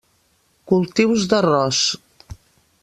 Cultius d'arròs.